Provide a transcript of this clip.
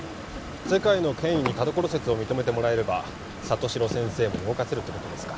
世界の権威に田所説を認めてもらえれば里城先生も動かせるってことですか？